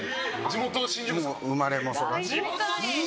生まれも育ちも。